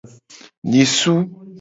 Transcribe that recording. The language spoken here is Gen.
Nyisu.